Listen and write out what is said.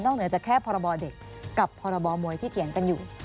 เหนือจากแค่พรบเด็กกับพรบมวยที่เถียงกันอยู่